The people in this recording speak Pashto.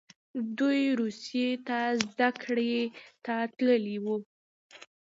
دوی روسیې ته زده کړې ته تللي وو.